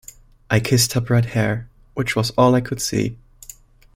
I kissed her bright hair, which was all I could see.